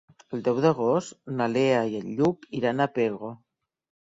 El deu d'agost na Lea i en Lluc iran a Pego.